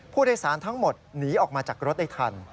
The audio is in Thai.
ผู้โดยสารทั้งหมดหนีออกมาจากรถได้ทัน